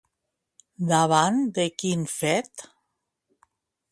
Davant de quin fet?